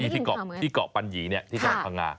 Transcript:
ตรงที่เกาะปัญหีเนี่ยของทางกำลังกัน